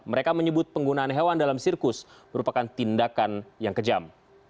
mereka menyebut penggunaan hewan dalam sirkus merupakan tindakan yang kejam